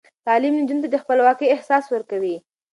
تعلیم نجونو ته د خپلواکۍ احساس ورکوي.